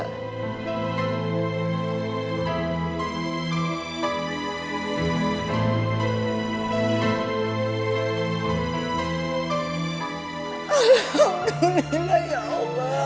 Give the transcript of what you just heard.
alhamdulillah ya allah